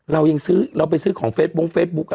เรายังซื้อเราไปซื้อของเฟสบุ๊ค